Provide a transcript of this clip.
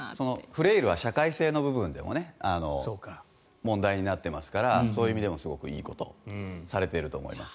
フレイルは社会性の部分でも問題になっていますからそういう意味でもすごくいいことをされていると思います。